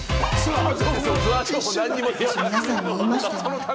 皆さんに言いましたよね？